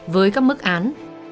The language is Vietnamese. với các mức án